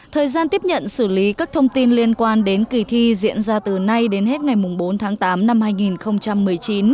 thời gian tiếp nhận xử lý các thông tin liên quan đến kỳ thi diễn ra từ nay đến hết ngày bốn tháng tám năm hai nghìn một mươi chín